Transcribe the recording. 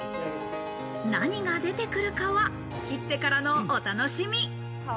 何が出てくるかは切ってからのお楽しみ。